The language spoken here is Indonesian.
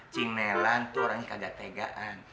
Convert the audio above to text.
cik nelan tuh orangnya kagak tegaan